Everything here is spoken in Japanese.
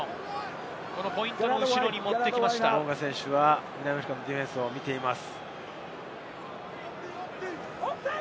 モウンガ選手は南アフリカのディフェンスを見ています。